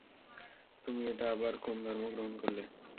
তুমি এটা আবার কোন ধর্ম গ্রহণ করলে?